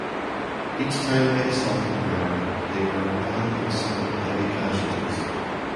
Each time they assaulted however they were repelled and suffered heavy casualties.